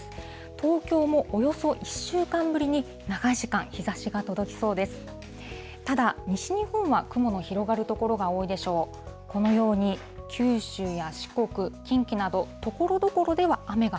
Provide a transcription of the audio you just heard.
東京もおよそ１週間ぶりに長い時間、日ざしが届きそうです。